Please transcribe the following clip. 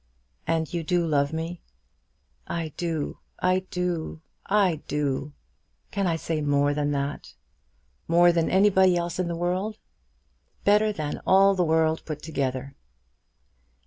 "And you do love me?" "I do I do I do. Can I say more than that?" "More than anybody else in the world?" "Better than all the world put together."